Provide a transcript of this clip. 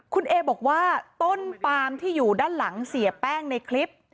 คุณเอบอกว่าต้นปามที่อยู่ด้านหลังเสียแป้งในคลิป